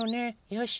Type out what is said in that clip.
よし。